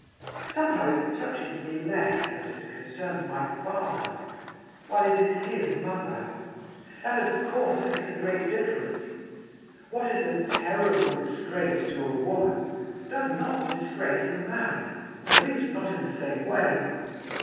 Somehow it touches me less, as it concerns my father, while it is his mother. That, of course, makes a great difference. What is a terrible disgrace to a woman, does not disgrace a man, at least not in the same way.